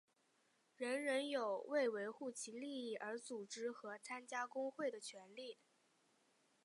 人人有为维护其利益而组织和参加工会的权利。